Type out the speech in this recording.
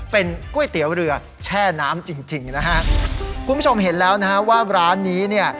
เป็นก๋วยเตี๋ยวเรือแช่น้ำจริงจริงนะฮะคุณผู้ชมเห็นแล้วนะฮะว่าร้านนี้เนี่ย